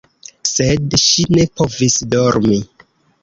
Sed ŝi ne povis dormi.